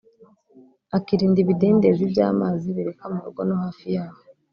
akirinda ibidendezi by’amazi bireka mu rugo no hafi yahoo